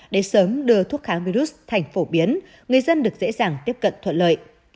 để sớm đưa thuốc kháng virus thành phổ biến người dân được dễ dàng tiếp cận thuận lợi